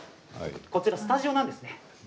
こちらはスタジオなんですね。